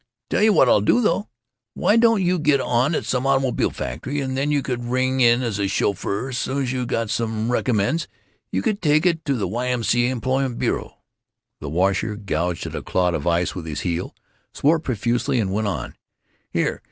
"Tell you what I'll do, though. Why don't you get on at some automobile factory, and then you could ring in as a chauffeur, soon 's you got some recommends you could take to the Y. M. C. A. employment bureau." The washer gouged at a clot of ice with his heel, swore profusely, and went on: "Here.